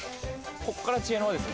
こっから知恵の輪ですよ。